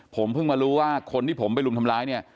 ผมเพิ่งมารู้ว่าคนที่ผมไปรุมทำร้ายเนี่ย